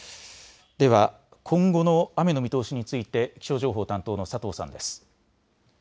では今後の雨の見通しについて気象情報担当の佐藤さんです。